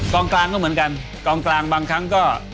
กลางกลางก็เหมือนกันกองกลางบางครั้งก็